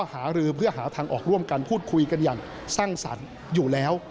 หารือเพื่อหาทางออกร่วมกันพูดคุยกันอย่างสร้างสรรค์อยู่แล้ว